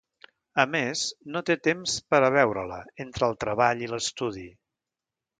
A més, no té temps per a veure-la, entre el treball i l'estudi.